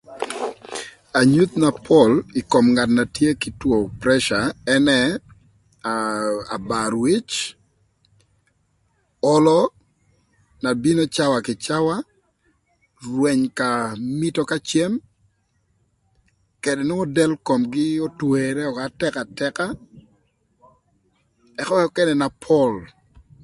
Anyuth na pol ï kom ngat na tye kï two pressure ënë aa abar wic, olo na bino cawa kï cawa, rweny ka mito ka cem kede nwongo del komgï otwere ökö atëk atëka ëka nökënë na pol.